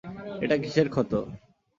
এটা কিসের ক্ষত?